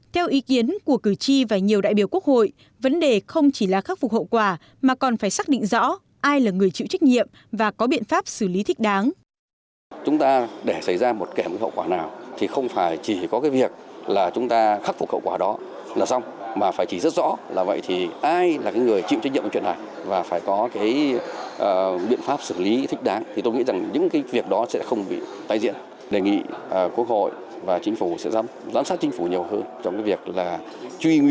theo ý kiến của cử tri và nhiều đại biểu quốc hội vấn đề là những người dân trong vụ lũ đang khốn khỏ chứ tôi chưa hài lòng với một cách trả lời thay sức là gọn ghẽ như vừa qua của tổ công tác